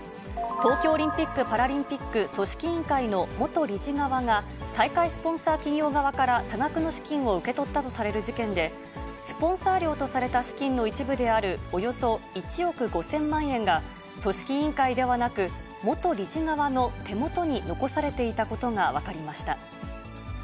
東京オリンピック・パラリンピック組織委員会の元理事側が、大会スポンサー企業側から多額の資金を受け取ったとされる事件で、スポンサー料とされた資金の一部であるおよそ１億５０００万円が、組織委員会ではなく、元理事側の手元に残されていたことが分かりました。